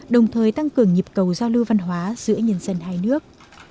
đồng thời tăng cường nhịp cầu giao lưu văn hóa giữa nhân dân hai nước